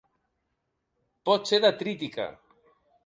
Pot ser detrítica.